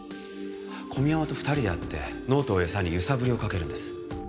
小宮山と２人で会ってノートを餌に揺さぶりをかけるんです。